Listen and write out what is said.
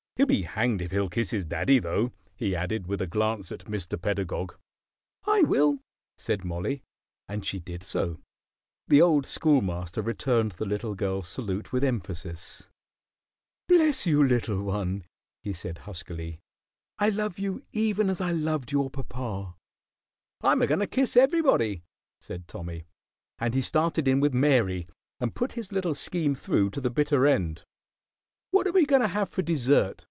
He'll be hanged if he'll kiss his daddy, though!" he added, with a glance at Mr. Pedagog. "I will," said Mollie; and she did so. The old Schoolmaster returned the little girl's salute with emphasis. "Bless you, little one!" he said, huskily. "I love you even as I loved your papa." "I'm a goin' to kiss everybody," said Tommy; and he started in with Mary and put his little scheme through to the bitter end. "What are we going to have for dessert?"